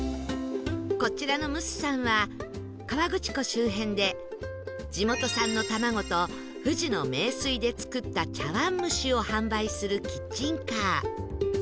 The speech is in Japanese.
こちらのむすさんは河口湖周辺で地元産の卵と富士の名水で作った茶碗蒸しを販売するキッチンカー